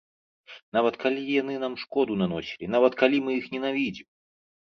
Нават калі яны нам шкоду наносілі, нават калі мы іх ненавідзім.